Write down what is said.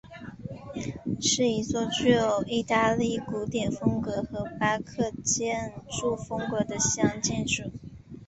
是一座具有意大利古典风格和巴洛克建筑风格的西洋建筑。